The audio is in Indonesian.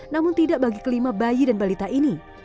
namun tidak bagi kelima bayi dan balita ini